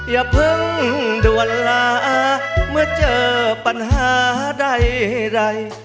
อย่าเพิ่งด่วนลาเมื่อเจอปัญหาใด